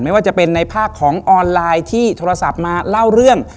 ไม่ว่าจะเป็นในภาคของออนไลน์ที่โทรศัพท์มาเล่าเรื่อง